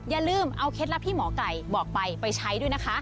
อย่าลืมเอาเคล็ดลับที่หมอไก่บอกไปไปใช้ด้วยนะคะ